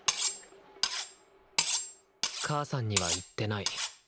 母さんには言ってない。